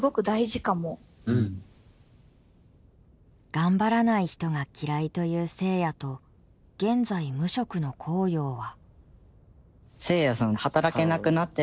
頑張らない人が嫌いというせいやと現在無職のこうようは。